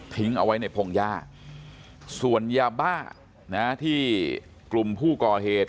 ทิ้งเอาไว้ในพงยาส่วนยาบ้าที่กลุ่มผู้ก่อเหตุ